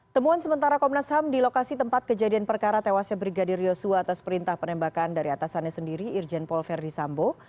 temuan sementara komnas ham di lokasi tempat kejadian perkara tewasnya brigadir yosua atas perintah penembakan dari atasannya sendiri irjen paul verdi sambo